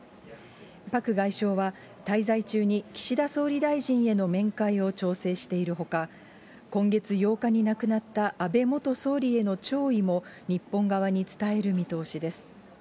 パク外相は、滞在中に岸田総理大臣への面会を調整しているほか、今月８日に亡くなった安倍元総理への弔意も日本側に伝える見通しです。